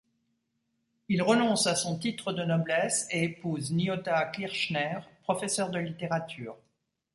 Il renonce à son titre de noblesse et épouse Nyota Kirchner, professeur de littérature.